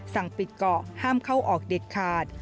สั่งปิดเกาะห้ามเข้าออกเด็ดขาด